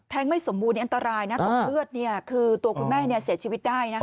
ไม่สมบูรณอันตรายนะตกเลือดคือตัวคุณแม่เสียชีวิตได้นะคะ